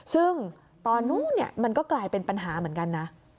ซึ่งตอนนู้นมันก็กลายเป็นปัญหาเหมือนกันนะ